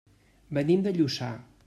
Venim de Lluçà.